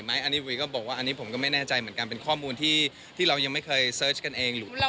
เรื่องความรักชีวิตคู่แล้วคะมีแบบคอเพล่าไปไหม